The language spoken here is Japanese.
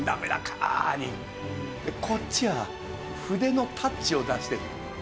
こっちは筆のタッチを出してる。